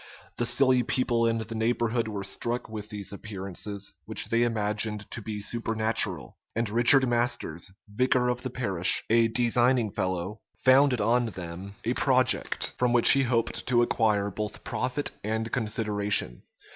The silly people in the neighborhood were struck with these appearances, which they imagined to be supernatural; and Richard Masters, vicar of the parish, a designing fellow, founded on them a project, from which he hoped to acquire both profit and consideration.